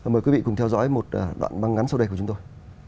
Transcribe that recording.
mời quý vị cùng theo dõi một đoạn băng ngắn sau đây của chúng tôi